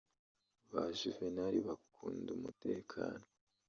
Ba Juvenal bakunda umutekano